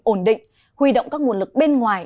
ổn định huy động các nguồn lực bên ngoài